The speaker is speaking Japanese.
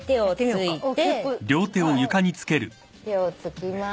手をつきます。